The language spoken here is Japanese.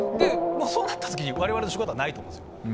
もうそうなったときに、われわれの仕事はないと思うんですよ。